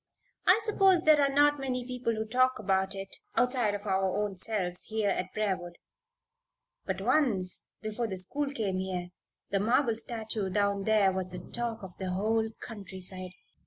"I suppose there are not many people who talk about it, outside of our own selves here at Briarwood. But once before the school came here the marble statue down there was the talk of the whole countryside.